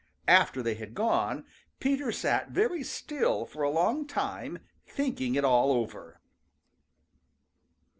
After they had gone, Peter sat very still for a long time, thinking it all over.